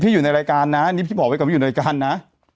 พี่อยู่ในรายการนะนี้พี่บอกไว้ว่าอยู่ในรายการนะ